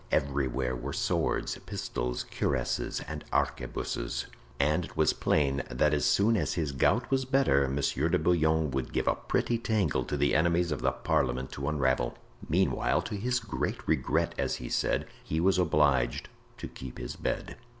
Everywhere were swords, pistols, cuirasses, and arquebuses, and it was plain that as soon as his gout was better Monsieur de Bouillon would give a pretty tangle to the enemies of the parliament to unravel. Meanwhile, to his great regret, as he said, he was obliged to keep his bed.